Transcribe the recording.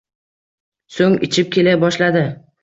So‘ng ichib kela boshladi